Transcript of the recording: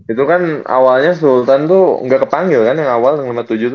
itu kan awalnya sultan tuh nggak kepanggil kan yang awal lima puluh tujuh tuh